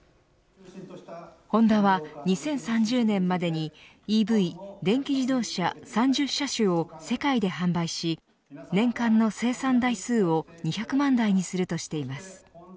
ホンダは２０３０年までにＥＶ電気自動車３０車種を世界で販売し年間の生産台数を２００万台にするとしています。